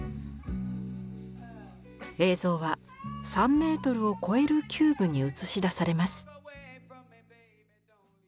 映像は３メートルを超えるキューブに映し出されます。